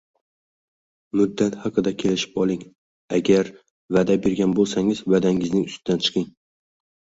Muddat haqida kelishib oling, agar va’da bergan bo‘lsangiz, va’dangizning ustidan chiqing.